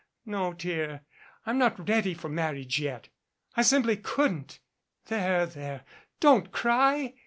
No, dear, I'm not ready for marriage yet. I simply couldn't. There, there, don't cry.